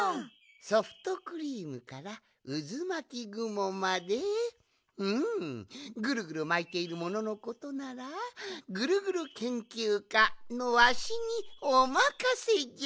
ソフトクリームからうずまきぐもまでうんぐるぐるまいているもののことならぐるぐるけんきゅうかのわしにおまかせじゃ！